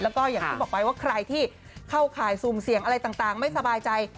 แล้วก็อย่างที่บอกไปว่าใครที่เข้าข่ายซุ่มเสี่ยงอะไรต่างไม่สบายใจ